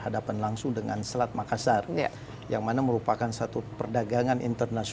dan juga selama ini bagaimana